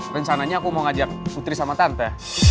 rencananya aku mau ngajak putri sama tante